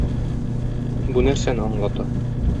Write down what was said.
Бу нәрсәне аңлата?